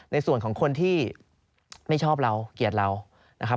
ในส่วนของคนที่ไม่ชอบเราเกลียดเรานะครับ